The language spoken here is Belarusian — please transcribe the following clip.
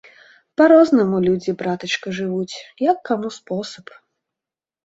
Па-рознаму людзі, братачка, жывуць, як каму спосаб.